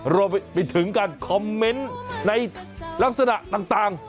รวมไปถึงการคอมเมนต์ในลักษณะต่าง